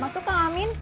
masuk kan amin